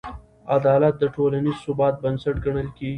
عدالت د ټولنیز ثبات بنسټ ګڼل کېږي.